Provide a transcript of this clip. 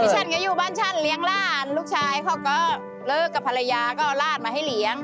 ฉันก็อยู่บ้านฉันเลี้ยงหลานลูกชายเขาก็เลิกกับภรรยาก็เอาร่านมาให้เลี้ยง